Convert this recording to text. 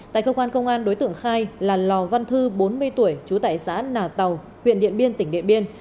tại cơ quan công an đối tượng khai là lò văn thư bốn mươi tuổi trú tại xã nà tàu huyện điện biên tỉnh điện biên